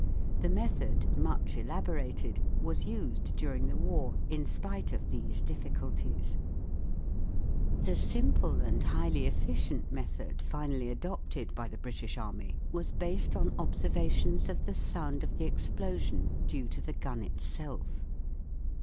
The method, much elaborated, was used during the War in spite of these difficulties. i86 THE WORLD OF SOUND The simple and highly efficient method finally adopted by the British Army was based on ob servations of the sound of the explosion due to the gun itself.